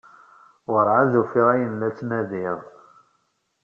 Werɛad ur ufiɣ ayen la ttnadiɣ.